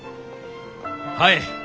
はい！